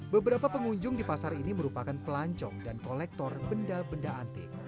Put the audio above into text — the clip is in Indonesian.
beberapa pengunjung di pasar ini merupakan pelancong dan kolektor benda benda antik